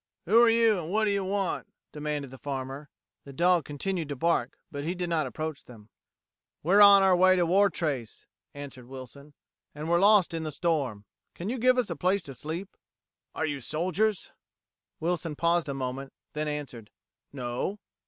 "Who are you, and what do you want?" demanded the farmer. The dog continued to bark, but he did not approach them. "We're on our way to Wartrace," answered Wilson, "and we're lost in the storm. Can you give us a place to sleep?" "Are you soldiers?" Wilson paused a moment, then answered, "No."